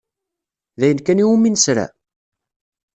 D ayen kan iwumi nesra?